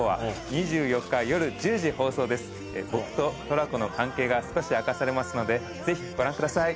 僕とトラコの関係が少し明かされますのでぜひご覧ください。